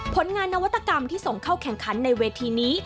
ผลงานนวัตกรรมที่ส่งเข้าแข่งขันในเวทีนี้